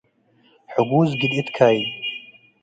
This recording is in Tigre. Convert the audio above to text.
ሕጉዝ ግድእት ካይድ።